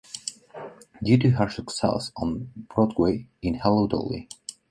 Due to her success on Broadway in Hello Dolly!